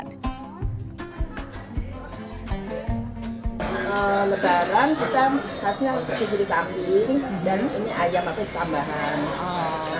ngejot umumnya dihantarkan sehari jelang hari raya atau saat hari lebaran